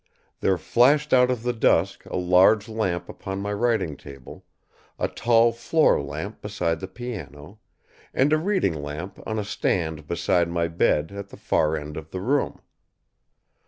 There flashed out of the dusk a large lamp upon my writing table, a tall floor lamp beside the piano, and a reading lamp on a stand beside my bed at the far end of the room.